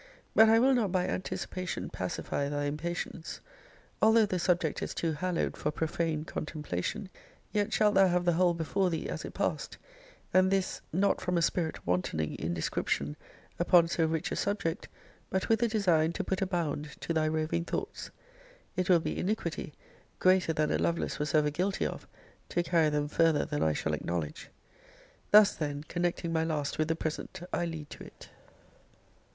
But I will not by anticipation pacify thy impatience. Although the subject is too hallowed for profane contemplation, yet shalt thou have the whole before thee as it passed: and this not from a spirit wantoning in description upon so rich a subject; but with a design to put a bound to thy roving thoughts. It will be iniquity, greater than a Lovelace was ever guilty of, to carry them farther than I shall acknowledge. Thus then, connecting my last with the present, I lead to it.